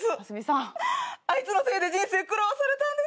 あいつのせいで人生狂わされたんです。